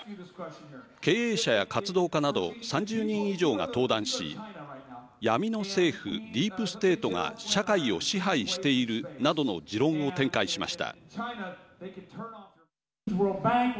経営者や活動家など３０人以上が登壇し闇の政府・ディープステートが社会を支配しているなどの持論を展開しました。